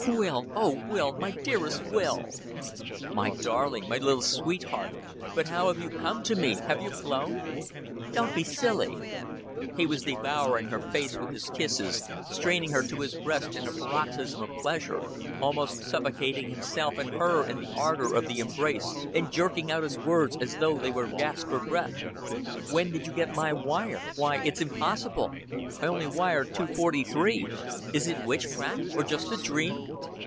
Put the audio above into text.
"Will, oh, Will. My dearest Will! "My darling my little sweetheart. But how have you come to me have you flown?" "Don't be silly." He was devouring her face with his kisses, straining her to his breast in a paroxysm of pleasure, almost suffocating himself and her in the ardor of the embrace, and jerking out his words as though they were gasps for breath. "When did you get my wire? Why, it's impossible. I on'y wired two forty three. Is it witchcraft or just a dream?"